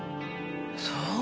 そう。